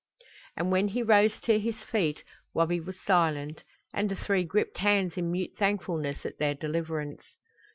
And when he rose to his feet Wabi was still silent, and the three gripped hands in mute thankfulness at their deliverance.